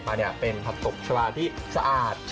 กรอกเก็บมาเป็นกรอกชาวาที่สะอาด